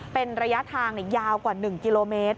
เป็นระยะทางยาวกว่า๑กิโลเมตร